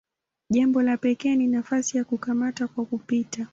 Jambo la pekee ni nafasi ya "kukamata kwa kupita".